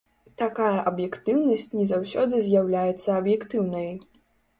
Такая аб'ектыўнасць не заўсёды з'яўляецца аб'ектыўнай.